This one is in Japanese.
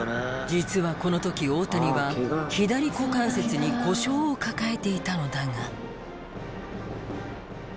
実はこの時大谷は左股関節に故障を抱えていたのだが。